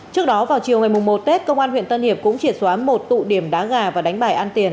trước đó vào chiều ngày một tết công an huyện tân hiệp cũng triệt xóa một tụ điểm đá gà và đánh bài ăn tiền